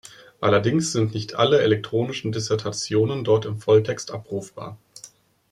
Allerdings sind nicht alle elektronischen Dissertationen dort im Volltext abrufbar.